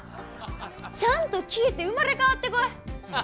ちゃんと聴いて生まれ変わってこい！